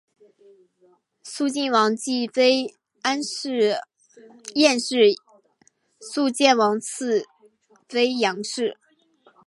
肃靖王继妃晏氏肃靖王次妃杨氏